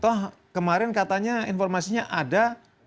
toh kemarin katanya informasinya ada